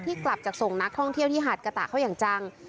กลับจากส่งนักท่องเที่ยวที่หาดกะตะเขาอย่างจัง